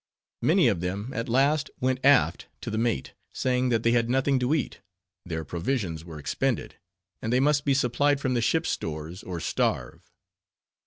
Many of them at last went aft to the mate, saying that they had nothing to eat, their provisions were expended, and they must be supplied from the ship's stores, or starve.